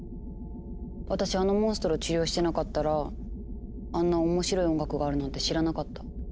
私あのモンストロ治療してなかったらあんな面白い音楽があるなんて知らなかった。